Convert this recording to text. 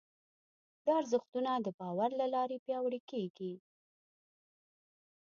دا ارزښتونه د باور له لارې پياوړي کېږي.